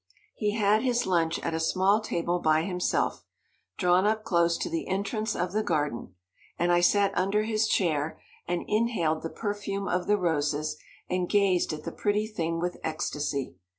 He had his lunch at a small table by himself, drawn up close to the entrance of the garden, and I sat under his chair, and inhaled the perfume of the roses, and gazed at the pretty thing with ecstasy.